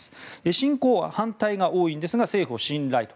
侵攻反対が多いんですが政府を信頼と。